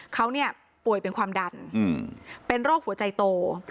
เขาเนี่ยป่วยเป็นความดันเป็นโรคหัวใจโต